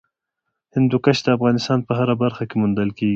هندوکش د افغانستان په هره برخه کې موندل کېږي.